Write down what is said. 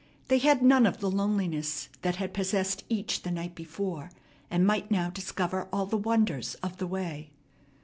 They had none of the loneliness that had possessed each the night before, and might now discover all the wonders of the way.